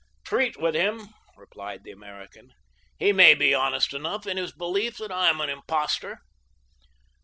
"Treat with him," replied the American. "He may be honest enough in his belief that I am an impostor."